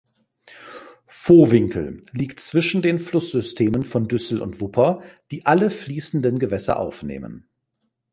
Vohwinkel liegt zwischen den Flusssystemen von Düssel und Wupper, die alle fließenden Gewässer aufnehmen.